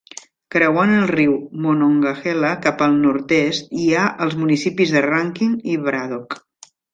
Creuant el riu Monongahela cap al nord-est hi ha els municipis de Rankin i Braddock.